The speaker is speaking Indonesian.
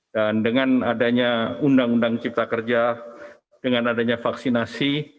dan dengan adanya undang undang cipta kerja dengan adanya vaksinasi